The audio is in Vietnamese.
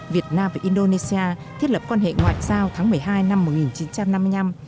việt nam và indonesia thiết lập quan hệ ngoại giao tháng một mươi hai năm một nghìn chín trăm năm mươi năm